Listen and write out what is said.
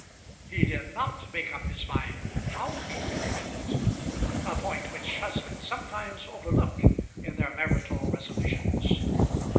He did not make up his mind how he would prevent it, a point which husbands sometimes overlook in their marital resolutions.